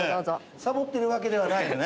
サボってるわけではないですね？